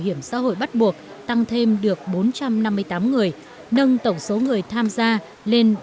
hiểm xã hội bắt buộc tăng thêm được bốn trăm năm mươi tám người nâng tổng số người tham gia lên bảy mươi ba tám trăm linh người